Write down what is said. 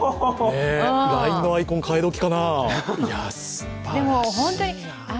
ＬＩＮＥのアイコン変え時かな。